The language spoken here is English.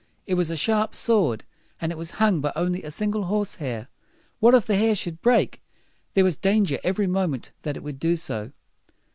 It was a sharp sword, and it was hung by only a single horse hair. What if the hair should break? There was danger every moment that it would do so.